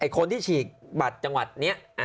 คนที่ฉีกบัตรจังหวัดนี้